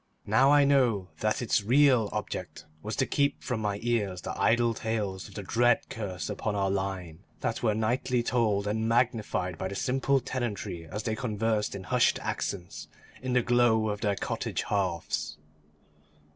Now I know that its real object was to keep from my ears the idle tales of the dread curse upon our line, that were nightly told and magnified by the simple tenantry as they conversed in hushed accents in the glow of their cottage hearths.